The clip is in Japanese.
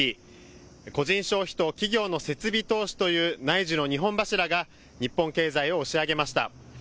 個人消費と企業の設備投資という内需の二本柱が日本経済を押し上げました。